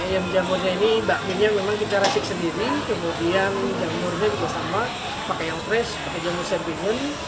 ayam jamurnya ini bakminya memang kita rasik sendiri kemudian jamurnya juga sama pakai yang fresh pakai jamur sempiun